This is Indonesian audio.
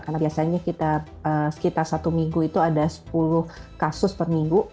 karena biasanya kita sekitar satu minggu itu ada sepuluh kasus per minggu